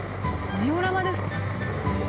ジオラマですか？